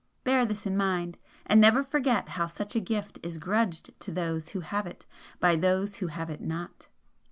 Bear this in mind, and never forget how such a gift is grudged to those who have it by those who have it not!"